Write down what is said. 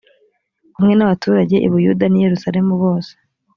kumwe n abaturage i buyuda n i yerusalemu bose